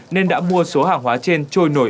nên đã mua số hàng hóa trên trôi nổi